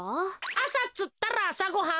あさっつったらあさごはん。